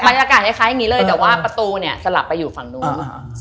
บรรยากาศคล้ายอย่างนี้เลยแต่ว่าประตูเนี่ยสลับไปอยู่ฝั่งนู้น